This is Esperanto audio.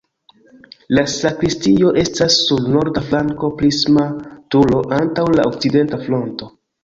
La sakristio estas sur norda flanko, prisma turo antaŭ la okcidenta fronto.